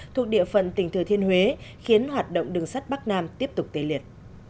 thuộc địa phận tỉnh thừa thiên huế khiến hoạt động đường sắt bắc nam tiếp tục tê liệt